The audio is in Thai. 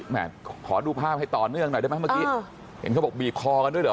ขอดูภาพให้ต่อเนื่องหน่อยได้ไหมเมื่อกี้เห็นเขาบอกบีบคอกันด้วยเหรอ